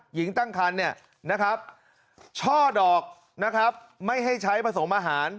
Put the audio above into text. หญิงตั้งคันเนี่ยนะครับช่อดอกนะครับไม่ให้ใช้ผสมอาหาร